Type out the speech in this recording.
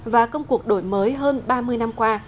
và công cuộc đổi mới hơn ba mươi năm qua